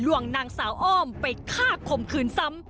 วงนางสาวอ้อมไปฆ่าคมคืนซ้ำ